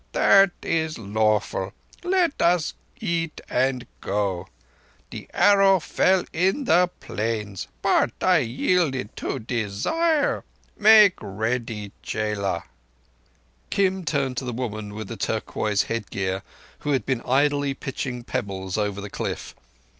"That is lawful. Let us eat and go. The Arrow fell in the Plains ... but I yielded to Desire. Make ready, chela." Kim turned to the woman with the turquoise headgear who had been idly pitching pebbles over the cliff.